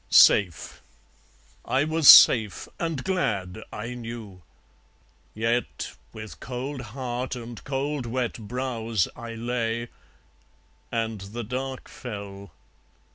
Safe! I was safe, and glad, I knew! Yet with cold heart and cold wet brows I lay. And the dark fell.